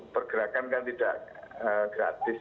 pergerakan kan tidak gratis